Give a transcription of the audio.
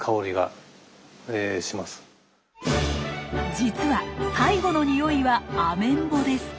実は最後のニオイはアメンボです。